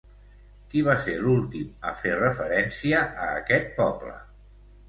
Qui va ser l'últim a fer referència a aquest poble?